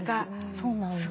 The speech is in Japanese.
そうなんです。